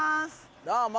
どうも。